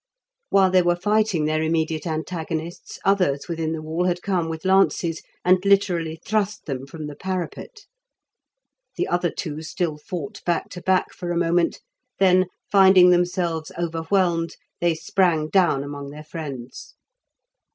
While they were fighting their immediate antagonists, others within the wall had come with lances; and literally thrust them from the parapet. The other two still fought back to back for a moment; then, finding themselves overwhelmed, they sprang down among their friends.